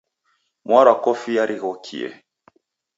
Mwarwa kofia righokie